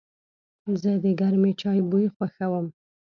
زه د گرمې چای بوی خوښوم.